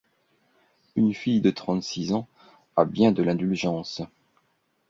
Une fille de trente-six ans a bien de l’indulgence.